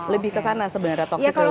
lebih ke sana sebenarnya toxic relationship